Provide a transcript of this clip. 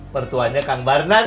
pertuanya kang barnas